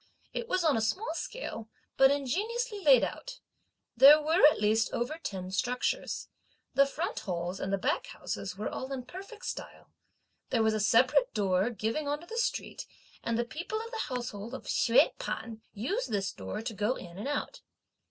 It was on a small scale, but ingeniously laid out. There were, at least, over ten structures. The front halls and the back houses were all in perfect style. There was a separate door giving on to the street, and the people of the household of Hsüeh P'an used this door to go in and out.